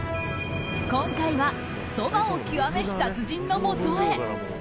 今回はそばを極めし達人のもとへ。